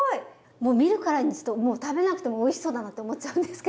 もう見るからに食べなくてもおいしそうだなって思っちゃうんですけど。